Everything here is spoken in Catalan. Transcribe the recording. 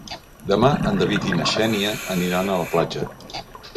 Demà en David i na Xènia aniran a la platja.